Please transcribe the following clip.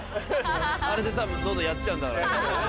あれで多分喉やっちゃうんだろうな。